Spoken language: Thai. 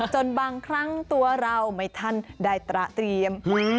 จนบางครั้งตัวเราไม่ทันได้ตระเตรียม